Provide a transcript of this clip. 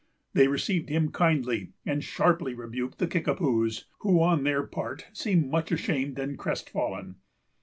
They received him kindly, and sharply rebuked the Kickapoos, who, on their part, seemed much ashamed and crestfallen.